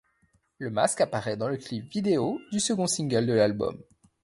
Le masque apparaît dans le clip vidéo du second single de l'album, '.